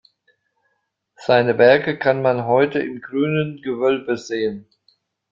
Seine Werke kann man heute im Grünen Gewölbe sehen.